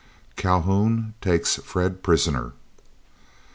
CALHOUN TAKES FRED PRISONER.